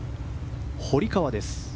堀川です。